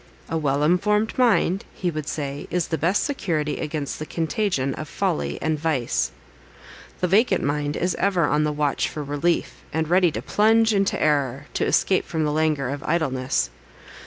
"A well informed mind," he would say, "is the best security against the contagion of folly and of vice. The vacant mind is ever on the watch for relief, and ready to plunge into error, to escape from the languor of idleness.